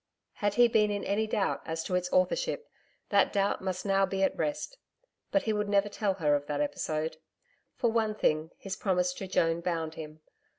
Had he been in any doubt as to its authorship that doubt must now be at rest. But he would never tell her of that episode. For one thing, his promise to Joan bound him.